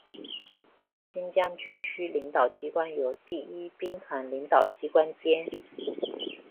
新疆军区领导机关由第一兵团领导机关兼。